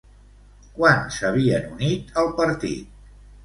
Quan s'havien unit al partit?